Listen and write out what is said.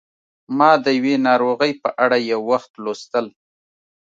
ما د یوې ناروغۍ په اړه یو وخت لوستل